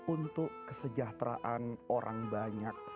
untuk kesejahteraan orang banyak